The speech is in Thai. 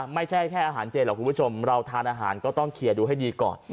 ไม่ใช่แค่อาหารเจหรอกคุณผู้ชมเราทานอาหารก็ต้องเคลียร์ดูให้ดีก่อน